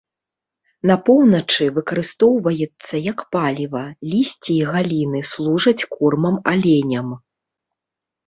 На поўначы выкарыстоўваецца як паліва, лісце і галіны служаць кормам аленям.